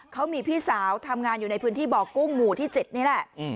เขามีพี่สาวทำงานอยู่ในพื้นที่บ่อกุ้งหมู่ที่๗นี่แหละ